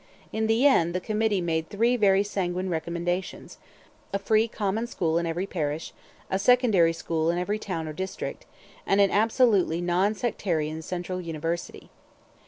In the end the committee made three very sanguine recommendations: a free common school in every parish, a secondary school in every town or district, and an absolutely non sectarian central university.